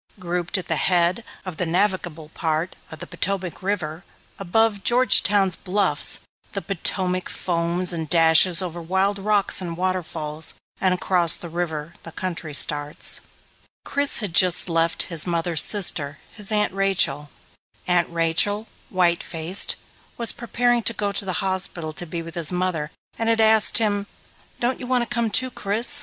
Grouped at the head of the navigable part of the Potomac River, above Georgetown's bluffs, the Potomac foams and dashes over wild rocks and waterfalls, and across the river, the country starts. Chris had just left his mother's sister, his Aunt Rachel. Aunt Rachel, white faced, was preparing to go to the hospital to be with his mother and had asked him, "Don't you want to come too, Chris?